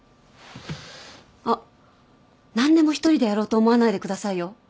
あっ何でも１人でやろうと思わないでくださいよ。